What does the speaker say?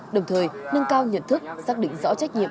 đồng thời nâng cao nhận thức xác định rõ trách nhiệm